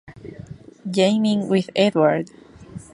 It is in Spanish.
Jamming With Edward!